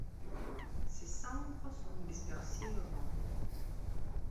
Ses cendres sont dispersées au vent.